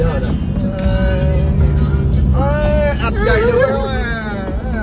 อาจใหญ่เลยครับ